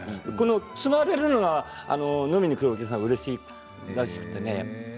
そういうのが飲みに来るお客さんがうれしいらしくてね。